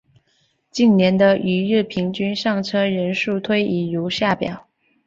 近年的一日平均上车人次推移如下表。